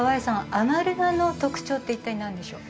アマルナの特徴って一体何でしょう？